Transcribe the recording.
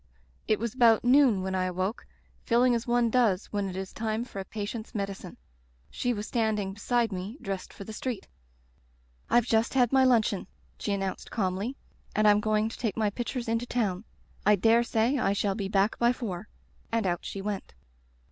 It was about noon when I awoke, feeling as one does when it is time for a patient's medicine. She was standing beside me dressed for the street. "^Fve just had my luncheon/ she an nounced calmly, 'and Fm going to take my pictures into town. I dare say I shall be back by four,* and out she went.